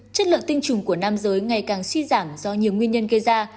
chất lượng tinh trùng của nam giới ngày càng suy giảm do nhiều nguyên nhân gây ra